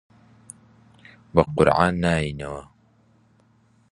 بە قورعان نایەینەوە!